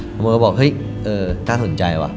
น้ำวนก็บอกเฮ้ยน่าสนใจว่ะ